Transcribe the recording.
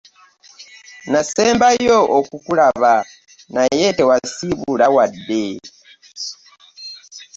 Nasembayo okukulaba naye tewasiibula wadde.